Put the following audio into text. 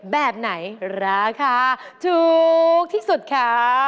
แบบไหนราคาถูกที่สุดคะ